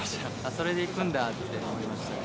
それで行くんだって思いましたね。